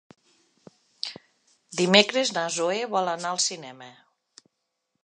Dimecres na Zoè vol anar al cinema.